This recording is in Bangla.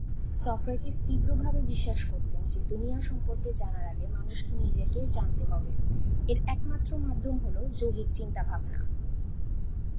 সক্রেটিস তীব্রভাবে বিশ্বাস করতেন যে দুনিয়া সম্পর্কে জানার আগে মানুষকে নিজেকে জানতে হবে; এর একমাত্র মাধ্যম হল যৌক্তিক চিন্তাভাবনা।